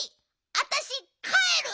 あたしかえる！